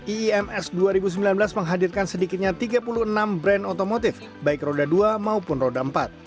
iims dua ribu sembilan belas menghadirkan sedikitnya tiga puluh enam brand otomotif baik roda dua maupun roda empat